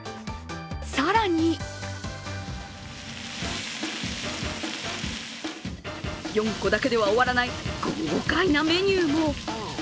更に４個だけでは終わらない豪快なメニューも。